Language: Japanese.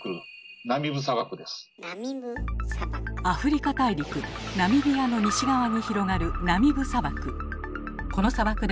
アフリカ大陸ナミビアの西側に広がるナミブ砂漠。